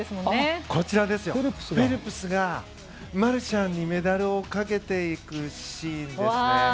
フェルプスがマルシャンにメダルをかけているシーンですね。